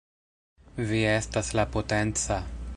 Vi estas la Potenca!